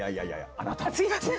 あっすいません。